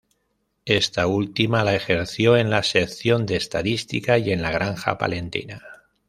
Esta última la ejerció en la Sección de Estadística y en la Granja Palentina.